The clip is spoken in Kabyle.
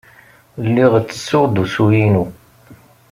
Lliɣ ttessuɣ-d usu-inu.